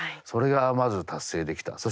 それがまず達成できた。